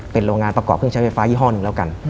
เป็นโรงงานประกอบเครื่องใช้ไฟฟ้ายี่ห้อหนึ่งแล้วกัน